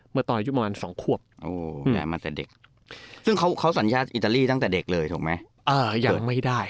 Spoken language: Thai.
ซึ่งเขาศัลยาอิตาลีตั้งแต่เด็กเลยถูกมั้ย